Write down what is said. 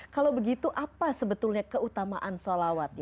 kalau begitu apa sebetulnya keutamaan salawat kita kepada rasulullah saw